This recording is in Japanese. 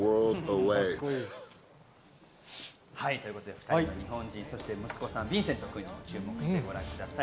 ２人の日本人、そして息子さん、ヴィンセント君にも注目してご覧ください。